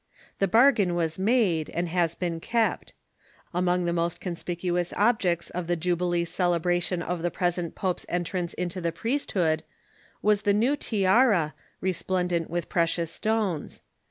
The bargain was made, and has been kept. Among the most conspicuous objects of the jubilee celebration of the THE ENGLISH CHURCH 293 present pope's entrance into the priesthood was the new tiara, resplendent with precious stones.